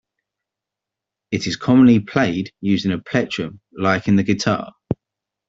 It is commonly played using a plectrum like in the guitar.